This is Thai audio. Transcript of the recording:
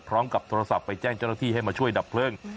พร้อมกับโทรศัพท์ไปแจ้งเจ้าหน้าที่ให้มาช่วยดับเพลิง